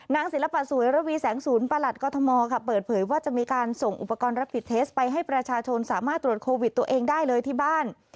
ศิลปะสวยระวีแสงศูนย์ประหลัดกรทมค่ะเปิดเผยว่าจะมีการส่งอุปกรณ์รับผิดเทสไปให้ประชาชนสามารถตรวจโควิดตัวเองได้เลยที่บ้าน